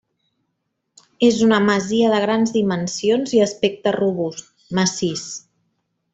És una masia de grans dimensions i aspecte robust, massís.